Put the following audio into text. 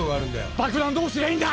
爆弾どうすりゃいいんだ！？